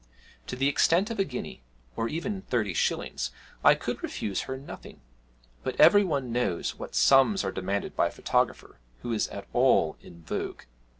To the extent of a guinea (or even thirty shillings) I could refuse her nothing; but every one knows what sums are demanded by a photographer who is at all in vogue.